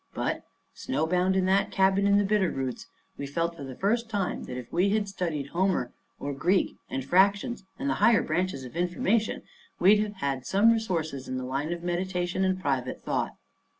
But, snowbound in that cabin in the Bitter Roots, we felt for the first time that if we had studied Homer or Greek and fractions and the higher branches of information, we'd have had some resources in the line of meditation and private thought.